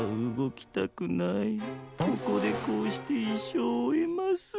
ここでこうしていっしょうをおえます。